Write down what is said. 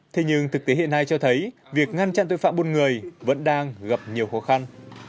thế nhưng thực tế hiện nay cho thấy việc ngăn chặn tội phạm buôn người vẫn đang gặp nhiều khó khăn